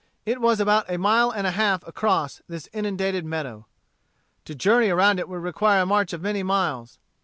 It was about a mile and a half across this inundated meadow. To journey around it would require a march of many miles.